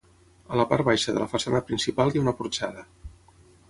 A la part baixa de la façana principal hi ha una porxada.